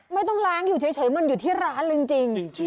ไม่ต้องล้างอยู่เฉยมันอยู่ที่ร้านจริง